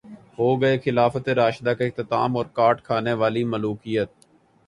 ہوگئے خلافت راشدہ کا اختتام اور کاٹ کھانے والی ملوکیت